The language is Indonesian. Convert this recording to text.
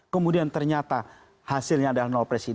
kemudian ternyata hasilnya adalah